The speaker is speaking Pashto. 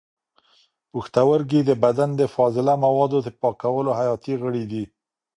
پښتورګي د بدن د فاضله موادو د پاکولو حیاتي غړي دي.